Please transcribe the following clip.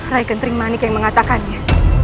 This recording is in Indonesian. rai kentring manik yang mengatakannya